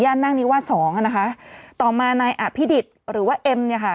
นั่งนิวาสองอ่ะนะคะต่อมานายอภิดิษฐ์หรือว่าเอ็มเนี่ยค่ะ